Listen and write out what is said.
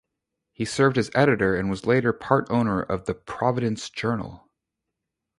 He served as editor and was later part owner of the "Providence Journal".